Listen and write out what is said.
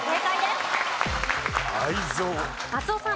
松尾さん。